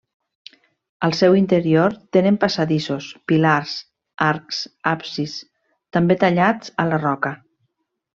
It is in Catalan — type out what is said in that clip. Al seu interior tenen passadissos, pilars, arcs, absis, també tallats a la roca.